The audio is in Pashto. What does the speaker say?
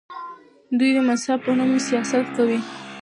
دوی د مذهب په نوم سیاست کوي.